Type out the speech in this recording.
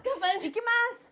いきます！